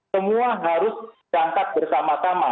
semua harus diangkat bersama sama